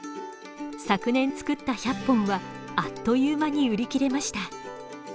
昨年作った１００本はあっという間に売り切れました。